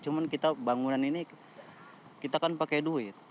cuma kita bangunan ini kita kan pakai duit